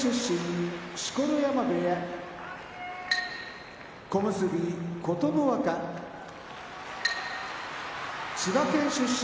錣山部屋小結・琴ノ若千葉県出身